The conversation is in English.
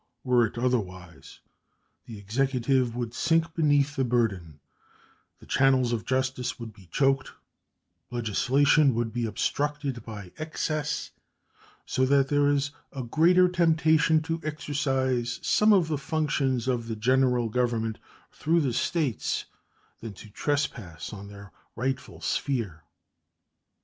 Were it otherwise the Executive would sink beneath the burden, the channels of justice would be choked, legislation would be obstructed by excess, so that there is a greater temptation to exercise some of the functions of the General Government through the States than to trespass on their rightful sphere.